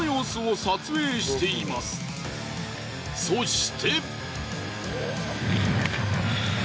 そして。